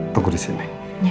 tunggu di sini